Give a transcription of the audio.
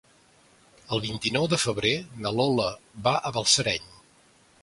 El vint-i-nou de febrer na Lola va a Balsareny.